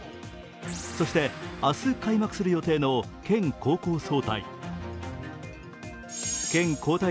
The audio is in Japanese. そして、明日開幕する予定の県高校総体。